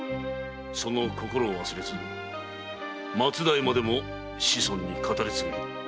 その心を忘れず末代までも子孫に語り継げ。